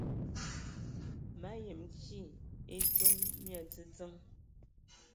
Ma yəm kig edzom mia dzədzəŋ.